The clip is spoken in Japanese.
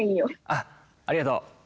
あっありがとう。